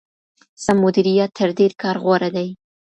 سم مديريت تر ډېر کار غوره دی.